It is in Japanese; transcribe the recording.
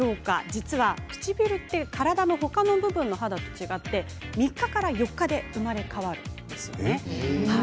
実は唇って体の他の部分の肌と違って３日から４日で生まれ変わるんです。